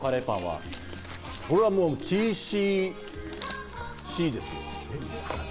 これは、もうＴＣＣですよ。